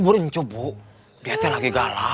pak kemet kan punya tenaga dalam